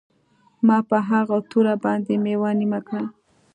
ما په هغه توره باندې میوه نیمه کړه